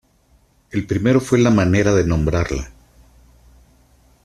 El primero fue la manera de nombrarla.